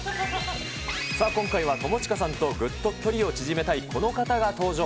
さあ、今回は友近さんとぐっと距離を縮めたいこの方が登場。